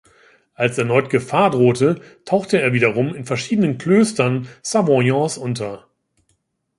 Als erneut Gefahr drohte, tauchte er wiederum in verschiedenen Klöstern Savoyens unter.